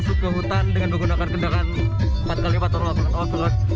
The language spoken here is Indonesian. masuk ke hutan dengan menggunakan kendaraan empat x empat ton